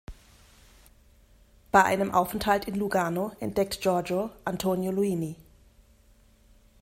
Bei einem Aufenthalt in Lugano entdeckt Giorgio Antonio Luini.